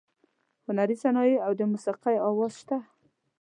هنري صنایع او د موسیقۍ اواز شته.